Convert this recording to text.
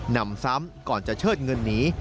นำซ้ำก่อนจะเชิดเงินหนี